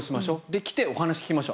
来て、お話聞きましょう。